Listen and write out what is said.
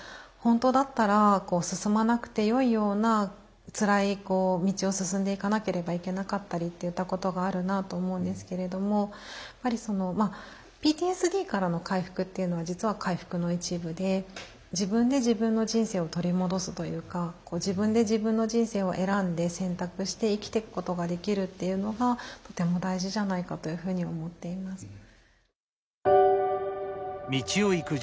本当だったら進まなくてよいようなつらい道を進んでいかなければいけなかったりっていったことがあるなと思うんですけれどもやっぱりＰＴＳＤからの回復っていうのは実は回復の一部で自分で自分の人生を取り戻すというか自分で自分の人生を選んで選択して生きていくことができるっていうのがとても大事じゃないかというふうに思っています。